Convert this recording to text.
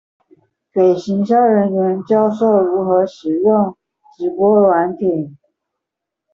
給行銷人員教授如何使用直播軟體